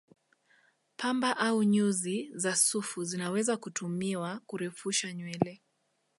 Pamba au nyuzi za sufu zinaweza kutumiwa kurefusha nywele